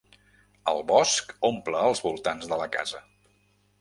El bosc omple els voltants de la casa.